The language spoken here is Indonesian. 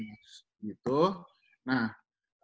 nah abis itu gue udah